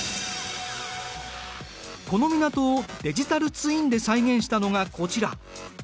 この港をデジタルツインで再現したのがこちら。